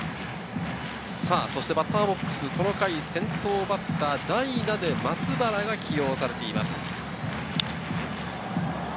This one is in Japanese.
バッターボックス、この回先頭バッター、代打で松原が起用されています。